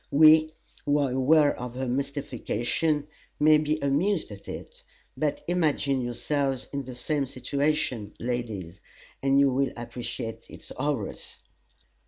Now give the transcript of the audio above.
We, who are aware of her mystification, may be amused at it; but imagine yourselves in the same situation, ladies, and you will appreciate its horrors!